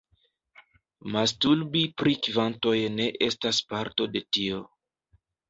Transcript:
Masturbi pri kvantoj ne estas parto de tio.